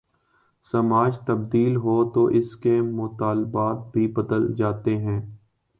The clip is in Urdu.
سماج تبدیل ہو تو اس کے مطالبات بھی بدل جاتے ہیں۔